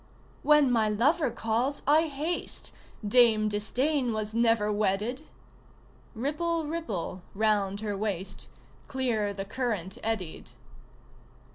"When my lover calls I haste Dame Disdain was never wedded!" Ripple ripple round her waist, Clear the current eddied.